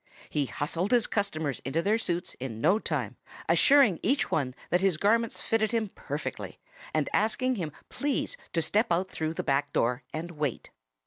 He hustled his customers into their suits in no time, assuring each one that his garments fitted him perfectly, and asking him please to step out through the back door and wait.